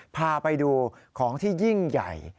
พาไปดูของที่ยิ่งใหญ่